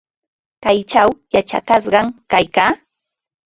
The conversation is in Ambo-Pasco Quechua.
Kaychaw yachakashqam kaykaa.